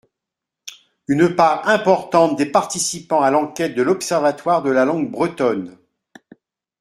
Une part importante des participants à l’enquête de l’Observatoire de la Langue Bretonne.